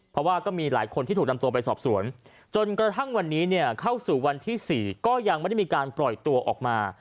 เพราะว่าก็มีหลายคนที่ถูกนำตัวไปสอบสวนจนกระทั่งวันนี้เนี่ยเข้าสู่วันที่๔ก็ยังไม่ได้มีการปล่อยตัวออกมา